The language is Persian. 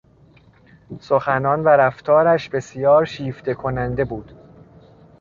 سخنان و رفتارش بسیار شیفته کننده بود.